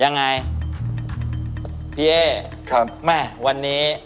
ยังไงพี่เอ๊ครับแม่วันนี้